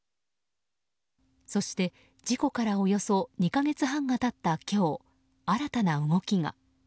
そして事故からおよそ２か月半が経った今日新たな動きが。